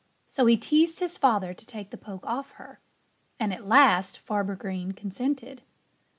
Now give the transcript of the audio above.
So he teased his father to take the poke off her. And at last Farmer Green consented.